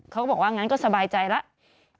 เขาก็บอกว่างั้นก็สบายใจแล้ว